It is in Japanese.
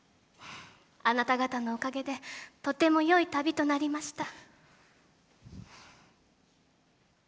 あなた方のおかげでとても良い旅となりました。